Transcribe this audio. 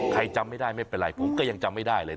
จำไม่ได้ไม่เป็นไรผมก็ยังจำไม่ได้เลย